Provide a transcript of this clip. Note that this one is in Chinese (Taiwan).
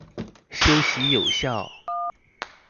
休息有效